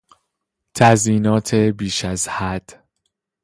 تزیینات بیش از حد